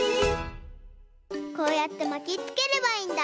こうやってまきつければいいんだ。